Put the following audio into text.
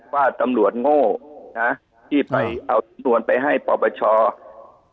ว่าตำรวจโง่นะที่ไปเอาสำนวนไปให้ปปช